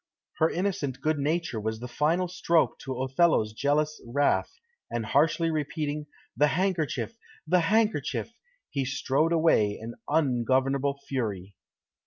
Her innocent good nature was the final stroke to Othello's jealous wrath, and harshly repeating, "The handkerchief! the handkerchief!" he strode away in ungovernable fury.